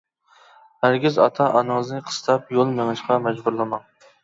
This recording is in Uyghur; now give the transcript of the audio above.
ھەرگىز ئاتا-ئانىڭىزنى قىستاپ، يول مېڭىشقا مەجبۇرلىماڭ.